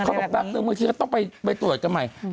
ก็บอกตรงนี้ต้องไปตรวจกันใหม่